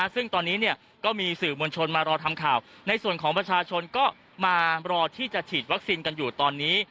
ซึ่งตอนนี้ก็มีสื่อมวลชนมารอทำข่าวในส่วนของประชาชนก็มารอที่จะฉีดวัคซีนกันอยู่ตอนนี้